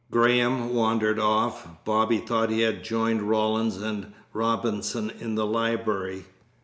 Graham wandered off. Bobby thought he had joined Rawlins and Robinson in the library.